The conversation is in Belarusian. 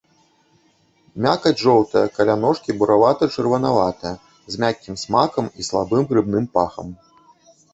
Мякаць жоўтая, каля ножкі буравата-чырванаватая, з мяккім смакам і слабым грыбным пахам.